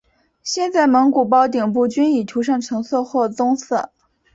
现在蒙古包顶部均已涂上橙色或棕色。